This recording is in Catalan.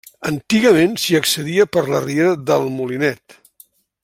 Antigament s'hi accedia per la riera del Molinet.